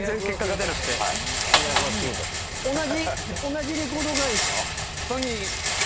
同じレコード会社？